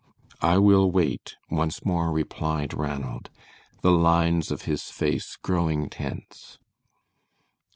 "I will wait," once more replied Ranald, the lines of his face growing tense.